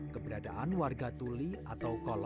keberadaan warga tuli atau koloni